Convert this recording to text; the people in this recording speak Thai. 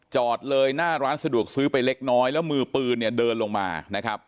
จอดเลยหน้าร้านสะดวกซื้อไปเล็กน้อยแล้วมือปืนเนี่ยเดินลงมานะครับ